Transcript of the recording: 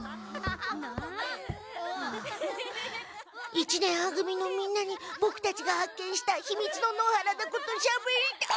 一年は組のみんなにボクたちが発見したひみつの野原のことしゃべりたい！